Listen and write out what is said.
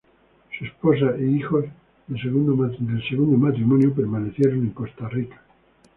Su esposa y sus hijos de segundo matrimonio permanecieron en Costa Rica.